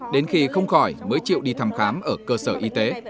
đến khi không khỏi mới chịu đi thăm khám ở cơ sở y tế